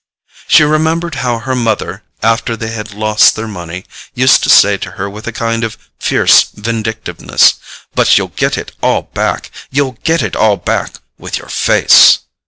She remembered how her mother, after they had lost their money, used to say to her with a kind of fierce vindictiveness: "But you'll get it all back—you'll get it all back, with your face."...